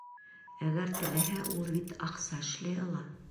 Әгәр теләһә, ул бит аҡса эшләй ала.